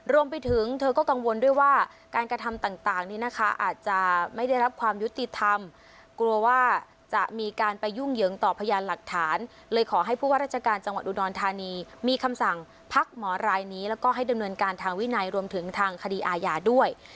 รวมไปถึงเธอก็กังวลด้วยว่าการกระทำต่างนี้นะคะอาจจะไม่ได้รับความยุติธรรมกลัวว่าจะมีการไปยุ่งเหยิงต่อพยานหลักฐานเลยขอให้ผู้ว่าราชการจังหวัดอุดรธานีมีคำสั่งพักหมอรายนี้แล้วก็ให้ดำเนินการทางวินัยรวมถึงทางคดีอาญาด้วย